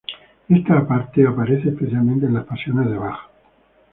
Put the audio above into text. Esta parte aparece especialmente en las pasiones de Bach.